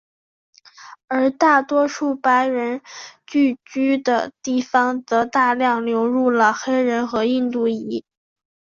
而大多数白人聚居的地方则大量流入了黑人和印度裔。